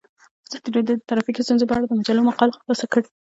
ازادي راډیو د ټرافیکي ستونزې په اړه د مجلو مقالو خلاصه کړې.